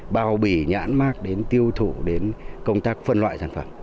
bao bỉ nhãn mạc đến tiêu thụ đến công tác phân loại sản phẩm